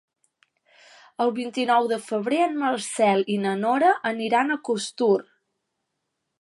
El vint-i-nou de febrer en Marcel i na Nora aniran a Costur.